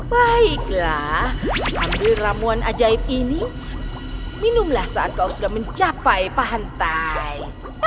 baiklah ambil ramuan ajaib ini minumlah saat kau sudah mencapai pantai